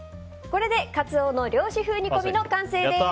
これでカツオの漁師風煮込みの完成です。